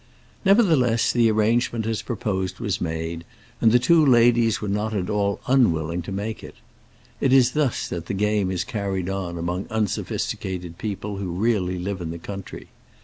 Nevertheless the arrangement as proposed was made, and the two ladies were not at all unwilling to make it. It is thus that the game is carried on among unsophisticated people who really live in the country.